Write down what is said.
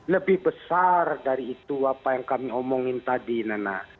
lebih besar dari itu apa yang kami omongin tadi nana